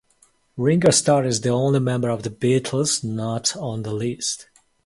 Ringo Starr is the only member of The Beatles not on the list.